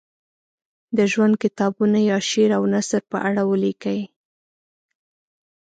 د ژوند کتابونه یا شعر او نثر په اړه ولیکي.